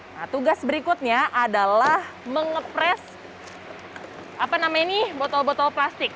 nah tugas berikutnya adalah mengepres apa namanya ini botol botol plastik